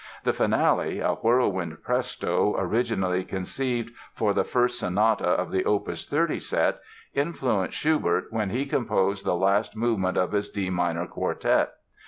The finale, a whirlwind Presto originally conceived for the first sonata of the opus 30 set, influenced Schubert when he composed the last movement of his D minor Quartet.